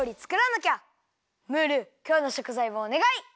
ムールきょうのしょくざいをおねがい！